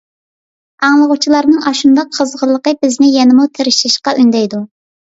ئاڭلىغۇچىلارنىڭ ئاشۇنداق قىزغىنلىقى بىزنى يەنىمۇ تىرىشىشقا ئۈندەيدۇ.